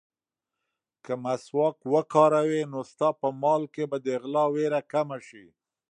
که مسواک وکاروې، نو ستا په مال کې به د غلا وېره کمه شي.